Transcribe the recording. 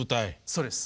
そうです。